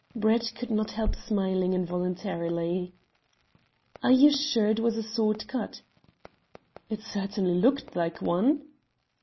Brett could not help smiling involuntarily. "Are you sure it was a sword cut?" "It certainly looked like one."